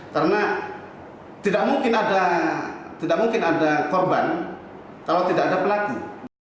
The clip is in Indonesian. karena tidak mungkin ada korban kalau tidak ada pelaku